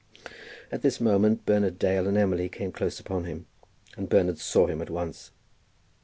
At this moment Bernard Dale and Emily came close upon him, and Bernard saw him at once.